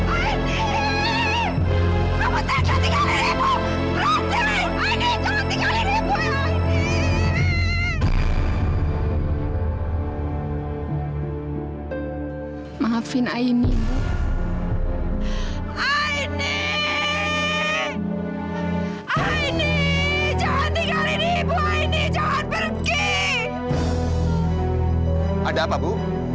ada apa ibu